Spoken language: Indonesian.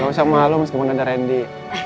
gak usah malu mas kebunan dari andi